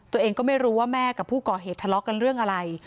ตัวเองก็ไม่รู้ว่าแม่กับผู้ก่อเหตุทะเลาะกันเรื่องอะไร